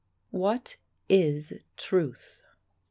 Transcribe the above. "WHAT IS TRUTH?"